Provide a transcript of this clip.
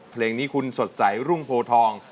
เพลงนี้คุณสดใสรุ่งโพทอง